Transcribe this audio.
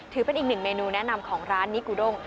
ถือเป็นอีกหนึ่งเมนูแนะนำของร้านนิกูดง